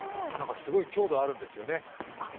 すごい強度あるんですよね。